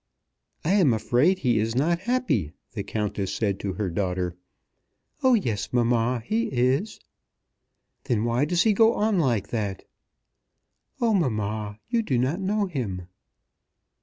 "I am afraid he is not happy," the Countess said to her daughter. "Oh, yes, mamma, he is." "Then why does he go on like that?" "Oh, mamma, you do not know him."